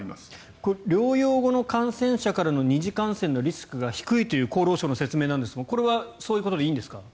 これ療養後の感染者からの二次感染のリスクが低いという厚労省の説明ですがこれはそういうことでいいんですか？